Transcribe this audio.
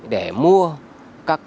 để mua các